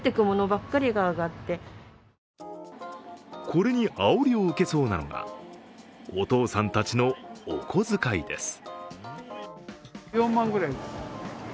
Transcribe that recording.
これにあおりを受けそうなのがお父さんたちのお小遣いです。